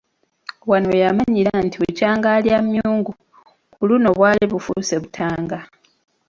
Wano we yamanyira nti bukyanga alya myungu, ku luno bwali bufuuse butanga.